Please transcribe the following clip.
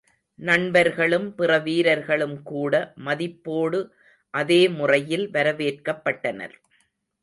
நண்பர்களும் பிற வீரர்களும்கூட, மதிப்போடு அதே முறையில் வரவேற்கப் பட்டனர்.